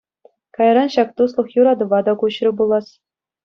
Кайран ҫак туслӑх юратӑва та куҫрӗ пулас.